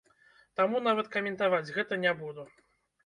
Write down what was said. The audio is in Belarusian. Таму нават каментаваць гэта не буду.